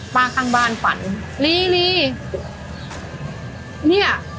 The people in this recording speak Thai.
ป๊ากลางบานฝันลีเนี่ย